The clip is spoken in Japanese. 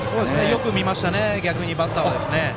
よく見ましたね、バッター。